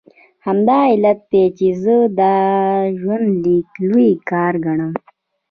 همدا علت دی چې زه دا ژوندلیک لوی کار ګڼم.